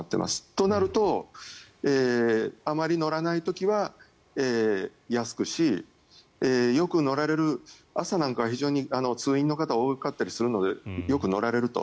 となるとあまり乗らない時は安くしよく乗られる朝なんかは非常に通院の方が多かったりするのでよく乗られると。